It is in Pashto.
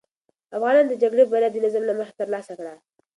افغانانو د جګړې بریا د نظم له مخې ترلاسه کړه.